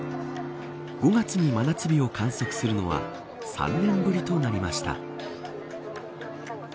５月に真夏日を観測するのは３年ぶりとなりました。